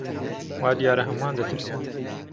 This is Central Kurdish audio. وا دیارە هەمووان دەترسن.